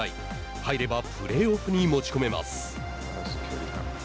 入ればプレーオフに持ち込めます。